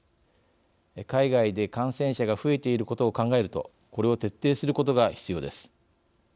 海外で感染者が増えていることを考えるとこれを徹底することが必要です。